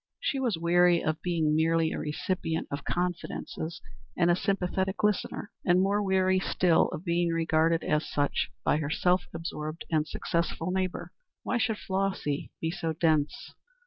She was weary of being merely a recipient of confidences and a sympathetic listener, and more weary still of being regarded as such by her self absorbed and successful neighbor. Why should Flossy be so dense?